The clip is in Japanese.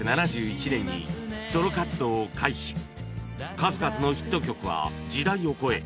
数々のヒット曲は時代を超え